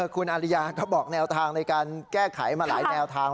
คุณอาริยาก็บอกแนวทางในการแก้ไขมาหลายแนวทาง